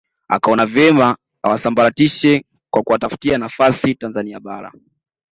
Akaona vyema awasambaratishe kwa kuwatafutia nafasi Tanzania Bara